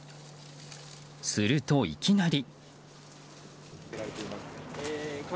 すると、いきなり。